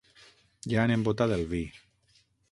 Ja han embotat el vi.